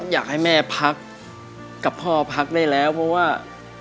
อยากให้แม่พักกับพ่อพักได้แล้วเพราะว่า